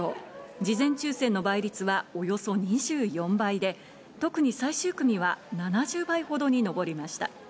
事前抽せんの倍率はおよそ２４倍で、特に最終組は７０倍ほどに上りました。